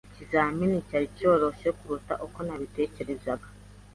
Ikizamini cyari cyoroshye kuruta uko nabitekerezaga.